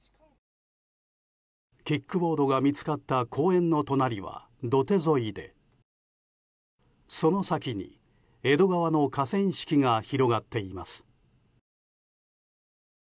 キックボードが見つかった公園の隣は土手沿いでその先に、江戸川の河川敷が広がっています。